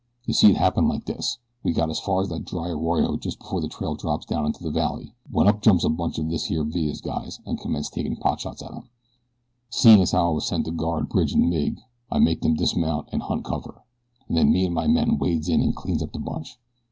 You see it happens like this: We got as far as that dry arroyo just before the trail drops down into the valley, when up jumps a bunch of this here Villa's guys and commenced takin' pot shots at us. "Seein' as how I was sent to guard Bridge an' Mig, I makes them dismount and hunt cover, and then me an' my men wades in and cleans up the bunch.